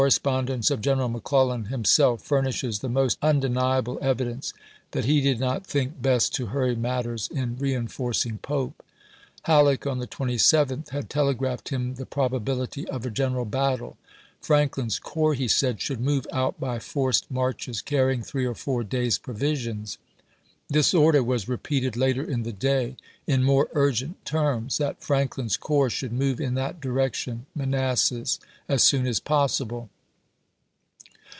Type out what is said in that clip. spondence of Greneral McClellan himself furnishes the most undeniable evidence that he did not think best to hurry matters in reenforcing Pope. Hal leck on the 27th had telegraphed him the probabil Aug., 1862. ity of a general battle. " Franklin's corps," he said, " should move out by forced marches, carrying vS" xi., three or four days' provisions." This order was p.^94." repeated later in the day in more urgent terms, that " Franklin's corps should move in that direc tion [Manassas] as soon as possible."